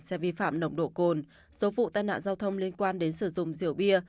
xe vi phạm nồng độ cồn số vụ tai nạn giao thông liên quan đến sử dụng rượu bia